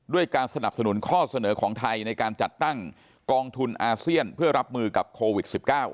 การสนับสนุนข้อเสนอของไทยในการจัดตั้งกองทุนอาเซียนเพื่อรับมือกับโควิด๑๙